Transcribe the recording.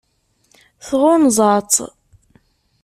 Tɣunzaḍ-tt?